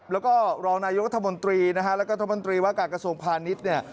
แล้วก็รองนายุรัฐมนตรีและรัฐมนตรีวากาศกระทรวงภานิษฐ์